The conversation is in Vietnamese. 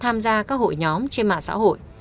tham gia các hội nhóm trên mạng xã hội